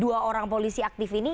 dua orang polisi aktif ini